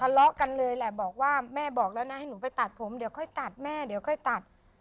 ทะเลาะกันเลยแหละบอกว่าแม่บอกแล้วนะให้หนูไปตัดผมเดี๋ยวค่อยตัดแม่เดี๋ยวค่อยตัด